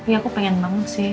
ya aku pengen banget sih